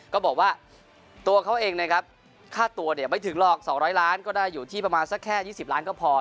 ก็บอกว่าตัวเขาเองนะครับค่าตัวเนี่ยไม่ถึงหรอก๒๐๐ล้านก็ได้อยู่ที่ประมาณสักแค่๒๐ล้านก็พอ